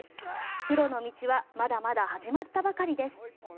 プロの道はまだまだ始まったばかりです。